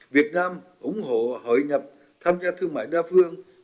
việt nam ủng hộ hội nhập tham gia thương mại đa phương